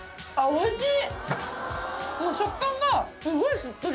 おいしい！